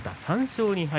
３勝２敗。